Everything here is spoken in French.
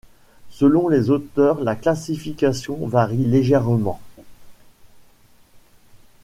Selon les auteurs, la classification varie légèrement.